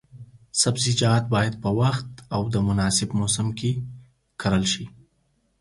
سبزیجات باید په وخت او د مناسب موسم کې کرل شي.